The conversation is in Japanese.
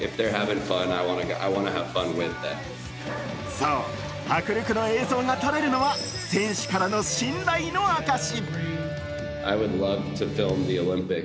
そう、迫力の映像が撮れるのは選手からの信頼の証し。